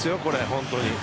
本当に。